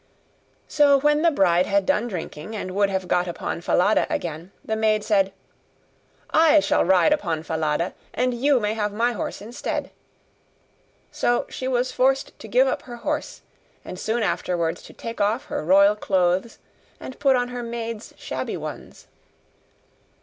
So when the bride had done drinking, and would have got upon Falada again, the maid said, 'I shall ride upon Falada, and you may have my horse instead'; so she was forced to give up her horse, and soon afterwards to take off her royal clothes and put on her maid's shabby ones.